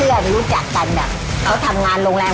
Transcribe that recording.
เพื่อนรู้จักกันเขาทำงานโรงแรม